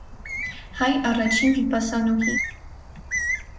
Հայ առաջին վիպասանուհի։